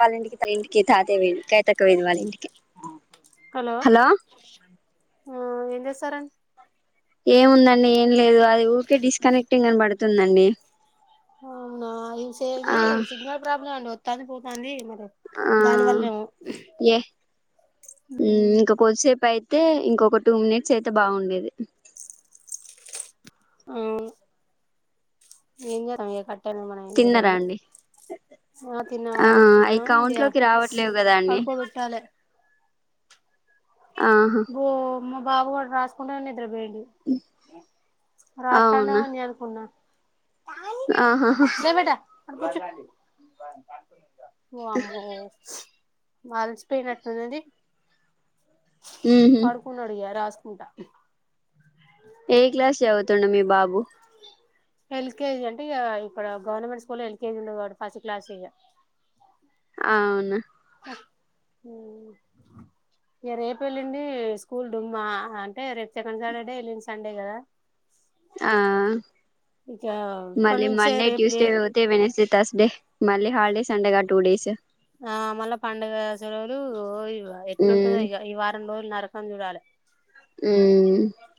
వాళ్ళ ఇంటికి తన ఇంటికి తాత వేది శ్వేతక్క వెళ్ళింది వాళ్ళ ఇంటికి హలో ఆ ఏం చేస్తారండి ఏముందండి ఏం లేదు అది ఊరికే డిస్కనెక్టింగ్ అని పడుతుందండి అవునా ఆ ఇవిసేది సిగ్నల్ ప్రాబ్లమ్ అండి వ తక్కువ గానే ఇవ్వు దానివలేమో హ్మ్మ్ ఇంక కొంత సే ప్పు అయితే ఇంకొక టూ మినిట్స్ అయితే బాగుండేది అవు ఏంజ తమట్ పెట్ట మన ఏం తిన్నరా అండి చే ఆ తిన్నామండి అవి తిన్నాము కౌంట్ లోకి రావట్లేవు కదా అండి పడుకోబెట్టాలి ఆహా అమ బాబు కూడా రాసుకుంటేన్న నిద్ర బేడి రాత్రాండవానినుకున్నా ఆహాహ అటు కూర్చో వామ్మో మలిచిపోయినట్టున్నది ఉహు పడుకున్నాడు ఇగ రాస్ ఉంటా ఏ క్లాస్ చదు తుండు మీ బాబు ఎల్కేజీ అంటే ఇగా ఇక్కడ గవర్నమెంట్ స్కూల్ ఎల్కేజీ ఉండదు ఫస్ట్ క్లాసే ఇగ అవునా మ్మ్ ఇగ రేపు ఎల్లుండి స్కూల్ డుమ్మా అంటే రేపు సెకండ్ సాటర్డే ఎల్లుండి సండే కదా ఆ ఇక ఇప్పటి మళ్ళీ నుంచే మండె రేపు లే ట్యూస్డే పోతె వెడ్నస్డే థర్స్డే మళ్ళీ హాలిడేస్ అంటగా టూ డేస్ ఆ మళ్ళ పండగ సెలవులు ఎట్లుంటదొ ఉమ్ ఇగ ఈ వారం రోజులు నర కందువలె ఉం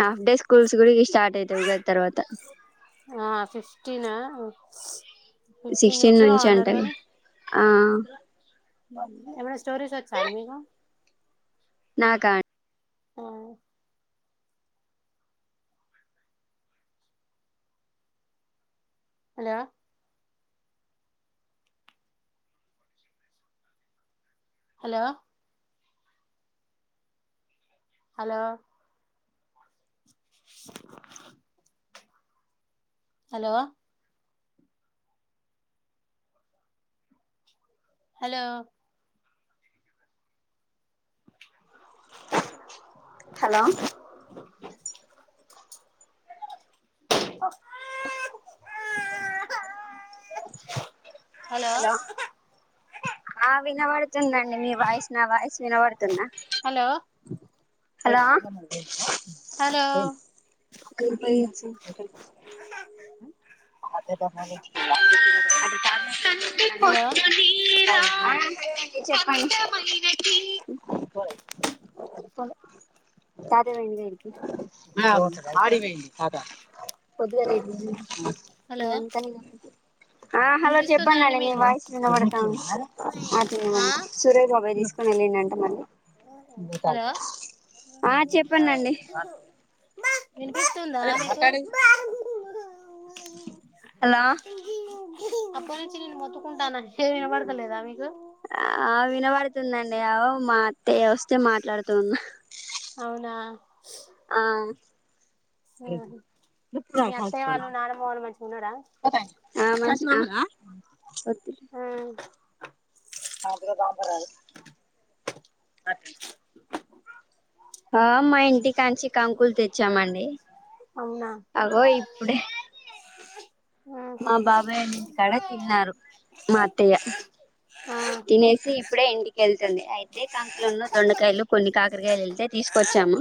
హాఫ్ డె స్కూల్స్ గుడ ఇష్ స్టార్ట్ అయిత ఉగాది తర్వాత ఫిఫ్టీనా ఆ ఫిఫ్టీన్ సిక్స్టీన్ నుంచో నుంచి అంట అన్నారు లె కాని ఆ ఏమైనా స్టోరీస్ వచ్చా అండి మీకు నాక ఆ hello hello hello hello hello hello అ హలో ఆ వినవడ్ తుందండి మీ వాయిస్ నా వాయిస్ వినవడ్ తుంద హలో హలో హలో అదేదా ముని హలో చెప్పండి తాతే పోయిండుగా ఇంటికి అగో ఆడికి పోయిండు అద పొదుగాల [unintelligible] ఇగ హలో అందుకని ఆ హలో వినిపిస్తుందా అండి చెప్పండండి నీ మీకు వాయిస్ వినబడతంది ఆ సురేష్ బాబాయ్ తీసుకొని వెళ్ళిండంట మళ్ళీ హలో ఆ చెప్పండండి వినిపిస్తుందా మీకు హలో అప్పటి నుంచి నేను మొత్తుకుంటాన చెవ్లు వినబడతలేదా మీకు ఆ వినబడుతుందండి ఆవ్ మా అత్తయ్య వస్తే మాట్లాడుతున్నా అవునా ఆ ఆహా మీ అత్తయ్య వాళ్ళు నానమ్మ వాళ్ళు మంచిగా ఉన్నారా ఆ మంచిగ ఆ [unintelligible] ఆ మా ఇంటి కాంచి కంకుల్ తెచ్చామండి అవునా అగో ఇప్పుడే ఆహా మా బాబాయోల్లింటికాడ తిన్నారు మా అత్తయ్య ఆ తినేసి ఇప్పుడే ఇంటికెల్ తంది అయితే కంకులున్ను దొండకాయలు కొన్ని కాకరకాయలు ఏల్తే తీసుకొచ్చాము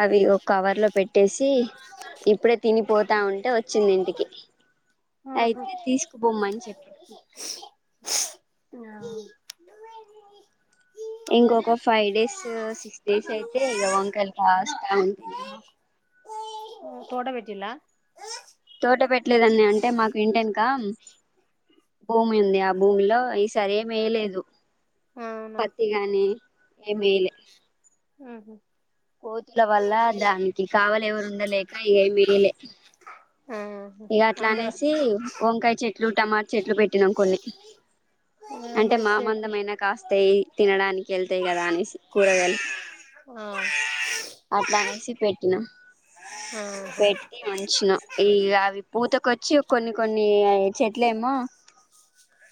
అవి ఒక కవర్ లో పెట్టేసి ఇప్పుడే తినిపోతా ఉంటే వచ్చింది ఇంటికి ఆ ఆహా అయితే తీసుకుపొమ్మని చెప్పిన ఆ ఇంకొక ఫైవ్ డేస్ సిక్స్ డేస్ అయితే ఇగ వంకాయలు కాస్ [inaudible] ఫోటో పెట్టిల్లా తోట పెట్టలేదని అని అంటే మాకు ఇంటేనుకా భూమి ఉంది ఆ భూమిలో ఈసారి ఏం ఏయలేదు అవునా పత్తిగాని ఏమెయ్యలే ఉహు కోతుల వల్ల దానికి కావాలి ఎవరు ఉండలేక ఏమేయ్యాలె ఆహా ఇగ అందులో అట్లనేసి వంకాయ చెట్ ట్లు టమాట్ చెట్లు పెట్టినాం కొన్ని ఆ అంటే మంచిదే తీ మామందంమయినా కాస్తాయి తినడానికి ఎళ్తాయి కదా అనేసి కూరగాయలు ఆ అట్లా అనేసి పెట్టినాం ఆహా పెట్టి ఉంచినా ఇగ అవి పూతకొచ్చి కొన్ని కొన్ని చెట్లేమో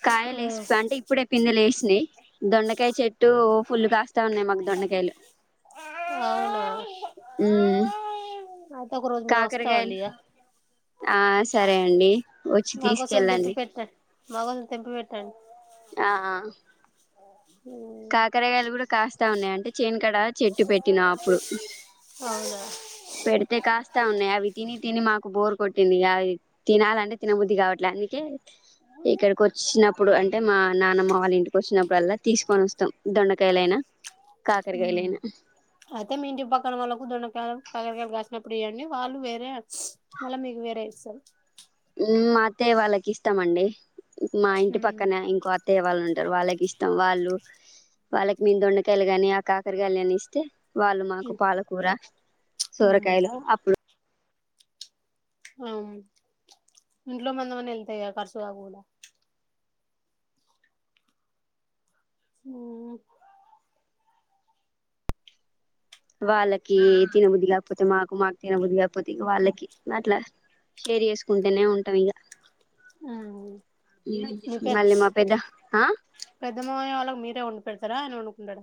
కాయలేసి అంటే ఇప్పుడే పింద లేశినయి దొండకాయ చెట్టు ఫుల్లు కాస్తా ఉన్నాయి మాకు దొండకాయలు ఆ అవునా హు అయితే మేము వస్తామండి ఇగ ఆ సరే అండి వచ్చి మాకోసం తెంపి తీసుకెళ్ళండి పెట్టన్ మాకోసం తెంపి పెట్ టన్ ఆ ఆ కాకరగాయలు కూడా కాస్తా ఉన్నాయి అంటే చేనుకాడ చెట్టు పెట్టినా అప్పుడు అవునా పెడితే కాస్తా ఉన్నాయి అవి తిని తిని మాకు బోర్ కొట్టింది ఇగ అవి తినాలంటే తినబుద్ది కావట్లే అందుకే ఇక్కడికి వచ్చినప్పుడు అన్ టే మా నానమ్మ వాళ్ళ ఇంటికొచ్చినప్పుడల్లా తీసుకొని వస్తాం దొండకాయలైనా కాకరకాయలైనా అయితే మి ఇంటి పక్కన వాళ్ళకు దొండకాయలు కాకరకాయల్ కాసినప్పుడు ఇయ్యండి వాళ్ళు వేరే మళ్ళ మీకు వేరే ఇస్ సార్ హు మాత్తయ్య వాళ్ళకి ఇస్తామండి మా ఇంటి పక్కన ఇస్తారు ఇంకో అత్తవాళ్ళు ఉంన్ వాళ్ళకి ఇష్టం వాళ్ళు వాళ్ళకి మేం దొండకాయలు గాని ఆ కాకరకాయలు అని ఇస్తే వాళ్ళు మాకు పాలకూర ఉమ్ సోరకాయలు అప్పుడు ఆ ఇంట్లో మందమన్న ఎళ్తాయిగ ఖర్చుగాకుండా ఆ వాళ్ళకి తినబుద్ధి కాకపోతే మాకు మాకు తినబుద్ధి కాకపోతే ఇగ వాళ్ళకి అట్లా షేర్ చేసుకుంటేనే ఉంటాం ఇగ ఉమ్ మీ పె మాళ్ళి మా పేద్ద ఆ పెడుతరా అయిన వండుకుంటాడా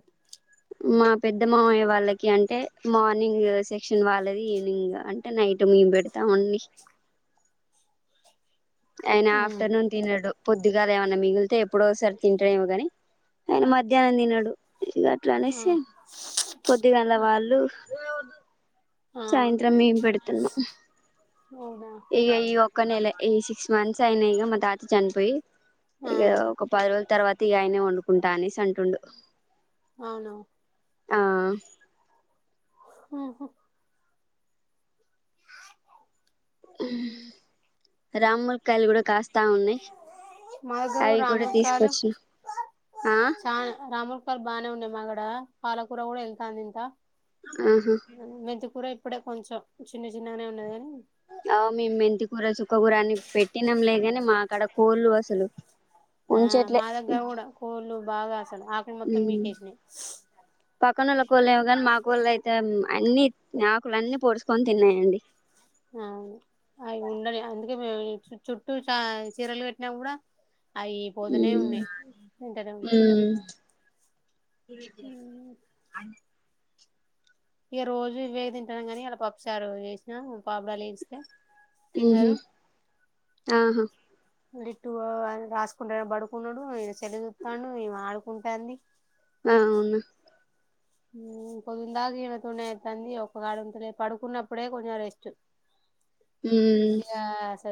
మా పెద్ద మామయ్య వాళ్ళకి అంటే మార్నింగ్ సెక్షన్ వాళ్ళది ఈవనింగ్ గ అంటే నైట్ మేము పెడతామండి అయిన ఉమ్ ఆఫ్టర్నూన్ తినడు పొద్ ద్దుగల ఏమన్నా మిగిలితే ఎప్పుడోఒసారి తింటడేమో గని ఆయిన మధ్యాహ్నం తినాడు ఇంగ అట్లా ఆ అనేసి పొద్దుగాల వాళ్ళు ఆ సాయంత్రం మేం పెడుతున్నాం అవునాా ఒక నెల ఏ సిక్స్ మంత్స్ అయినాయిక మా తాత చనిపోయి ఆ ఇక ఒక పది రోజుల తర్వాత ఇ ఆయనే వండు కుంటానే స అంటుండు అవునా ఆ హ హమ్ రామ్ముల్ కయలు కూడా కాస్ స్తా ఉన్నాయి మా దగ్గర అవి కూడా రామక్కయలు తీసుకొచ్చిన ఆ బాగానే ఉన్నాయి మాగడ పాలకూర కూడా ఎంత అంది ఇంత ఆహా మెంతి కూర ఇప్పుడే కొంచెం చిన్న చిన్నగానే ఉన్నది ఆ మేము మెంతికూర చుక్క కూూర అని పెట్టినాం లేగాని మా అక్కడ కోళ్ళు అసలు ఆ ఉంచట్లే మా దగ్గరా కూడా కోళ్ళు బాగా అక్కలు మొత్తం పికేసినాయి పక్కనుళ్ళ కోళ్ళ ఏమ కానీ మా కోళ్ళు అయితే అన్నిీ ఆకుల అన్నిీ పోడుసుుకొని తిన్నాయండి అవును అయి ఉండనే అందు చుట్టూ చ చీరలు కట్టినా కూడా అవి పోదునే ఉమ్ ఉన్నాయి వెంటనే ఉంటాయి ఇ ఉమ్. అ ఇక రోజు ఇవే తింటాను కాని అలా పప్పుచారు చేేసినా పాపుడాలు ఎంచి తే ఉమ్మ్ ఆహా లిట్టూ ఆ రాసుకుంట పడుకున్నడూ ఈనె సెల్లు యూత్తాండు ఈమె ఆడుకుంటాంది అవునా ఉమ్ పొద్దుందా ఈమె తొనే అయితంది ఒకగాడుంత పడుకున్నప్పుడే కొంచెం రెస్ట్ ఉమ్ గ్యాస్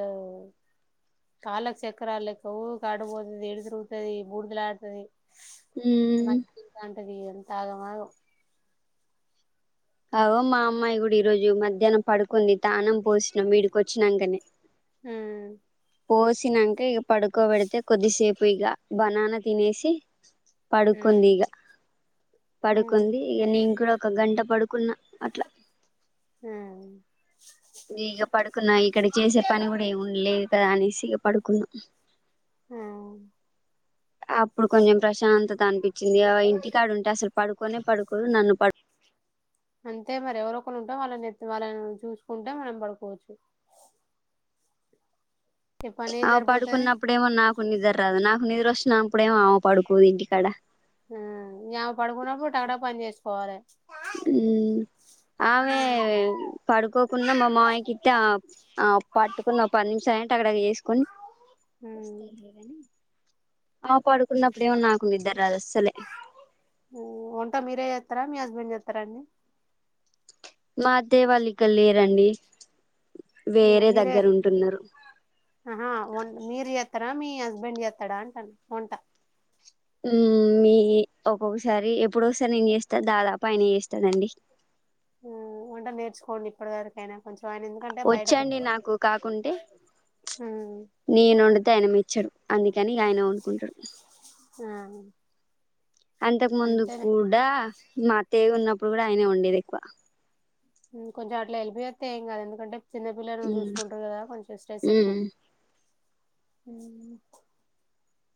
కళ్ాలకు చక్రాలు లెక్క ఊకు ఆడపోతుంది ఎడు తరుగుతుది బూడుదలాతాది ఉమ్ మంచి అది అంతా ఆగమాగం అవో మా అమ్మాయి కూడా ఈరోోజు మధ్యాహ్నం పడుకుంది తానం పోసినాం ఈడికి వచ్చినాకనే హమ్ పోసినంక ఇగ పడుకో వెడితే కొద్దిసేప్ ఇగ బనానా తినేసి పడుకుంది హ్మ్ ఇగ పడుకుంది ఆహా! ఇగ నేన్ కూడ క గంట పడుకున్న అట్ల హూ నే ఇగ పడుకున్నా ఇక్కడ చేసే పని కూడా ఏమి ఉండలేదు కదా అనేసి ఇగ పడుకున్న ఆ అప్పుడు కొంచెం ప్రశాంతత అనిపించింది ఇగా ఇంటికాడుంట అసలు పడుకోనే పడుకోదు నన్ను పడు అంతే మరి ఎవరొ ఒకలుంటే వాళ్ళనెత్తు వాళ్ళని చూసుకుంటే మనం పడుకోవొచ్చు ఈ పనే అవ్ సరిపోతది. పడుకున్నప్పుడేమన్నా నిదర్రాదు నాకు నిదరోస్తునప్పుడేమో ఆమె పడుకోదు ఇంటికాడ ఆ యామె పడుకున్నప్పుడు, టకటక పని చేసుకోవాలె ఊ ఆమే పడుకోకున్నా మా మావయకి త్తె ఆ పట్టుకున్న పది నిమిషాలైన టకటక చేసుకుని హ్మ్. వస్తయిలే గని ఆమె పడుకున్నప్పుడేమో నాకు నిద్దు అస్సలే వంట మీరే చెత్తారా మీ హస్బెండ్ చెత్తారా అండి మా అత్తయ్య వాళ్ళిఇక్కల్లేరండి ఆ మీరే అహా ఒన్ మీరు చే స్తరా మీ హస్బెండ్ చేత్తడా అంటన ఒంట హ్మ్ మీ ఒక్కొక్కసారి ఎప్పుడో ఒకసారి నేను చేస్తా దాదాపు ఆయన చేస్తడండి. ఊ వంట నేర్చుకోండి ఇప్పడి వరకైనా కొంచెం ఆయన ఎందుకంటే బయట వచ్చండి నాకు కాకుంటె హ్మ్. నేనొండితే ఆయన మెచ్చడు అందుకని ఇగ ఆయనే వండుకుంటడు. ఆ అంతకు ముందు అంతేలే. కూడా మా త్తయ్య ఉన్నప్పుడు కూడా ఆయనే వండేది ఎక్కువ కొంచెం అట్ల హెల్ప్ చేత్తె ఏంకాదు ఎందుకంటే చిన్నపిల్ల నువ్వు మ్మ్ చూసుకుంటవ్ కదా కొంచెం స్ట్రెస్ ఎక్కువ మ్మ్ [unintelligible]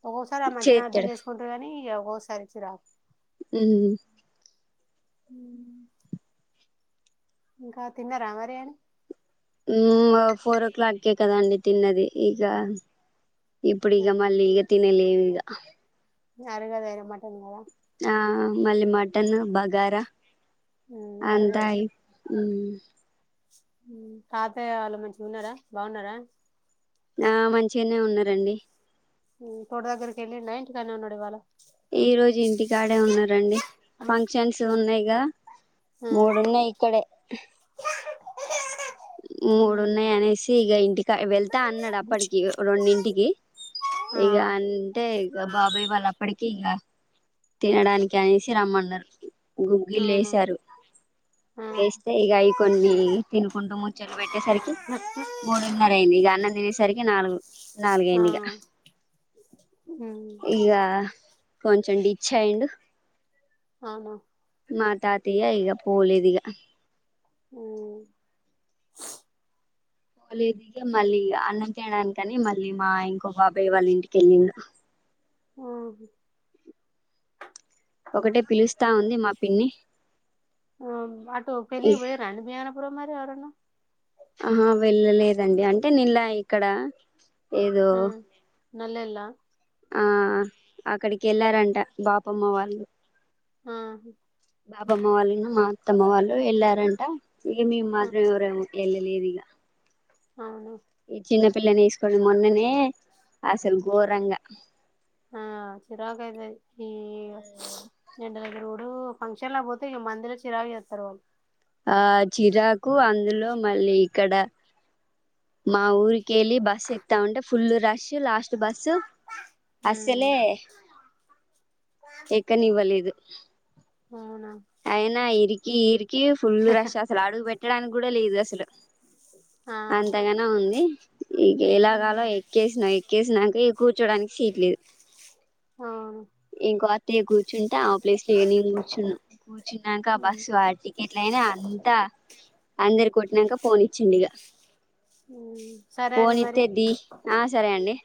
ఒకొక్కసారి ఆ మంచిగనే అర్థం చేత్తడు చేసుకుంటడు కనీ ఇగ ఓసారి చిరాకు హ్మ్ హ్మ్ ఇంకా తిన్నారా మరి ఆయన హ్మ్ ఫోరో క్లాక్ కే కదా అండి తిన్నది ఇగ ఇప్పుడిగ ఉమ్, మళ్ళీ ఇగ తినేలేదిగ అరగదు అయిన మటన్ కదా ఆ మళ్ళీ మటన్, బగారా ఉమ్, అంత అయి ఉహ్ హ్మ్ తాతయ్య వాళ్ళు మంచిగున్నరా బాగున్నరా ఆ మంచిగనే ఉన్నారండి. హ్మ్ తోట దగ్గరికి వెళ్ళిండా ఇంటికానే ఉన్నాడ ఇవ్వాళ ఈ రోజు ఇంటికాడే ఉన్నారండి ఫంక్షన్స్ ఉమ్, ఉన్నాయిగా ఉమ్, మూడు ఉన్నాయి ఇక్కడే మూడు ఉమ్. ఉన్నాయి అనేసి ఇగ ఇంటికి వెళ్తా అన్నాడు అప్పటికి రెండింటికి ఆ ఇగ అంటే ఇగ బాబాయ్ వాళ్ళు అప్పటికి టికి ఇగా తినడానికి అనేసి రమ్మన్నరు గుగ్గిలు అవునా వేసారు ఆ వేస్తే ఇగ అయి కొన్ని తిను ఇన ముచ్చట్లు పెట్టేసరికి మూడున్నర అయింది, ఇగా అన్నం తినేసరికి నాలుగు ఆ నాలుగయింది ఇగా ఇగా కొంచం డీచ్అయ్యిండు అవునా మా తాతయ్య ఇగ పోలేదిగా ఆ లేదిగా మళ్ళీ అనం తడానికని మళ్ళీ మా ఇంకో బాబాయ్ వాళ్ళ ఇంటికెళ్ళిండు ఆహ్ ఒకటే పిలుస్తా ఉంది మా పిన్ని ఆ అటు పెళ్ళకి పోయరా అండీ మీ ఆయనా ప్రో మరి ఎవరన్నా ఆహా వెళ్ళలేదండి అంటే నిలా ఇక్కడ ఏదో నల్లెల్ల ఆ అక్కడికి వెళ్ళారంట బాపమ్మ వాళ్ళు ఆహ్ బాబమ్మ వాళ్ళును మా అత్తమ్మ వాళ్ళు వెళ్ళారంట ఏమి ఇమ్ ఆ మాదిరి ఇవరే ఎమో వెళ్ళ లేదిగా అవును ఈ చిన్న పిల్లని వేసుకొని మొన్ననే అసలు ఘోరంగా ఆ చిరాకు అయితది ఈ ఎండా తిరుగుడు ఫంక్షన్లా పోతే మందిలో చిరాకు చేస్తారు వాళ్ళు ఆ చిరాకు అందులో మళ్ళీ ఇక్కడ మా ఊరికి వెళ్ళి బస్సు ఎక్తా ఉంటే ఫుల్ రష్ లాస్ట్ బస్సు ఉమ్, అసలే ఎక్క నివలేదు అవునా అయినా ఇరి కీర్ కీర్ ఫుల్ రష్ అసలు అడుగు పెట్ట పెట్టడానికి కూడా లేదు అసలు ఆహా అంతగానే ఉంది ఇక ఎలాగాలో ఎక్కేసినా ఎక్కేసినంక కూర్చోవడానికి సీటు లేదు అవును ఇంకో అత్తయ్య కూర్చుంటా ప్లేస్లు నే కూర్చున్నా కూర్చున్నాక ఉమ్, బస్సు ఆ టికెట్ల అయినా అంతా అందరి కోట నంక ఫోన్ ఇచ్చిండు ఇంక ఉమ్. సరే అండి ఫోను మరి ఇత్తే ది ఆ సరే అండి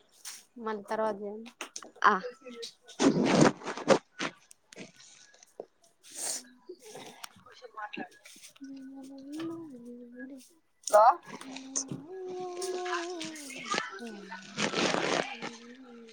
మళ్ళ తర్వాత చేయి ఆ కూర్చో మాట్లాడదాం [unintelligible] కా చేయండి